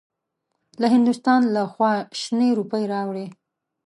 له هندوستان لخوا شنې روپۍ راوړې.